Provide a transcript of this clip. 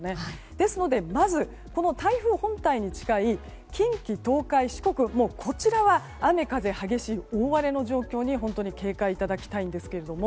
ですので、まずこの台風本体に近い近畿・東海、四国は雨風激しい大荒れの状況に警戒していただきたいんですけれども。